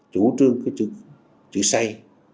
chủ trương cái chữ say